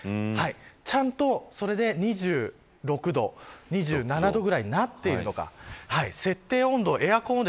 ちゃんとそれで２６度、２７度ぐらいになっているのか設定温度、エアコンを